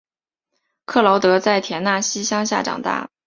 克劳德在田纳西乡下长大。